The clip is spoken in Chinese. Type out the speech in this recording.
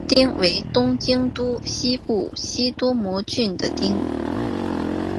日之出町为东京都西部西多摩郡的町。